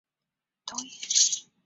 由丸山健志担任音乐录影带导演。